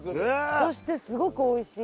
そしてすごくおいしい。